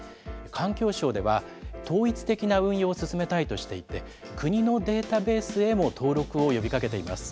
環境省では、統一的な運用を進めたいとしていて、国のデータベースへも登録を呼びかけています。